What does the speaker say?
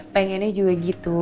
pengennya juga gitu